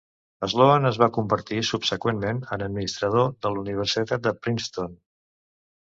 Sloan es va convertir subseqüentment en administrador de la universitat de Princeton.